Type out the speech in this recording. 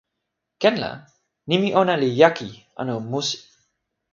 ken la nimi ona li jaki anu musi.